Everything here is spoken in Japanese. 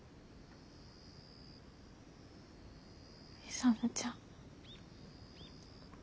勇ちゃん。